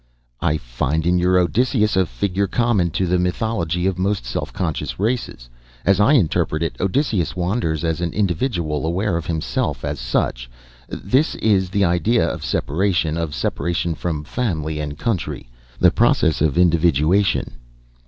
"I find in your Odysseus a figure common to the mythology of most self conscious races. As I interpret it, Odysseus wanders as an individual, aware of himself as such. This is the idea of separation, of separation from family and country. The process of individuation."